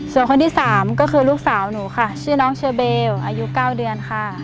ส่วนคนที่๓ก็คือลูกสาวหนูค่ะชื่อน้องเชอเบลอายุ๙เดือนค่ะ